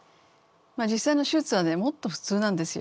実際の手術はねもっと普通なんですよ。